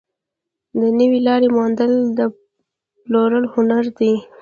د نوې لارې موندل د پلور هنر دی.